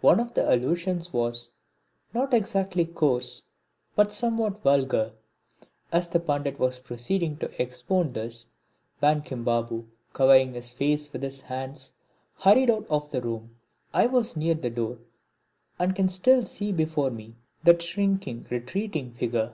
One of the allusions was not exactly coarse, but somewhat vulgar. As the Pandit was proceeding to expound this Bankim Babu, covering his face with his hands, hurried out of the room. I was near the door and can still see before me that shrinking, retreating figure.